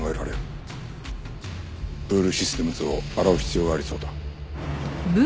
ブールシステムズを洗う必要がありそうだ。